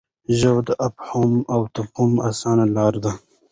ژبه د افهام او تفهیم اسانه لار ده.